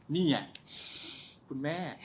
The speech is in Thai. นี่คุณแม่